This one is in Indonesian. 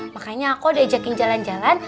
makanya aku udah ajakin jalan jalan